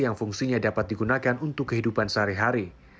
yang fungsinya dapat digunakan untuk kehidupan seseorang